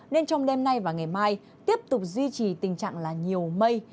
nên trong đêm nay và ngày mai tiếp tục duy trì tình trạng là nhiều mây